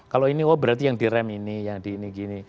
kalau ini berarti yang direm ini yang ini gini